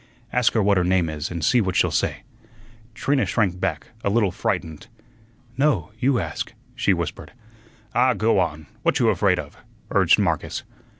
Ask her what her name is and see what she'll say." Trina shrank back, a little frightened. "No, you ask," she whispered. "Ah, go on; what you 'fraid of?" urged Marcus.